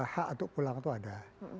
hak untuk pulang itu ada